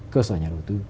cơ sở nhà đầu tư